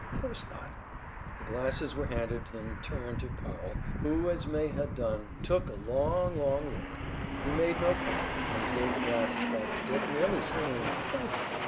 "Of course not." The glasses were handed in turn to Powell, who, as May had done, took a long, long look. He made no comment, when he gave the glasses back to Dick, merely saying: "Thank you."